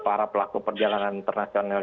para pelaku perjalanan internasional